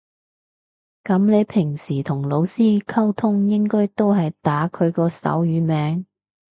噉你平時同老師溝通應該都係打佢個手語名